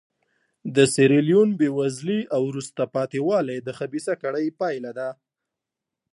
د سیریلیون بېوزلي او وروسته پاتې والی د خبیثه کړۍ پایله ده.